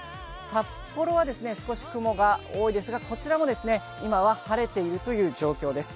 札幌は少し雲が多いですがこちらも今は晴れているという状況です。